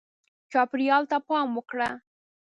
چاپېریال ته پام وکړه.